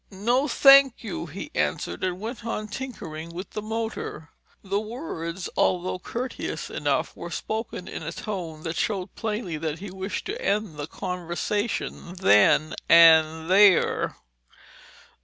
"No, thank you," he answered and went on tinkering with the motor. The words, although courteous enough, were spoken in a tone that showed plainly that he wished to end the conversation then and there.